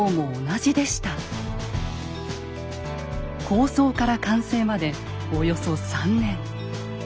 構想から完成までおよそ３年。